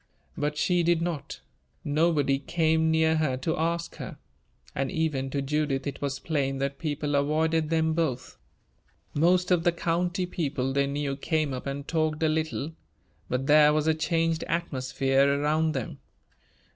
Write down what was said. But she did not. Nobody came near her to ask her; and even to Judith it was plain that people avoided them both. Most of the county people they knew came up and talked a little, but there was a changed atmosphere around them.